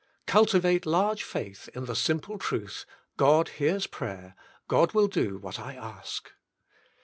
Cultivate large faith in the simple truth : God hears prayer ; God will do what I ask.